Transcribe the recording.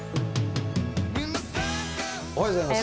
おはようございます。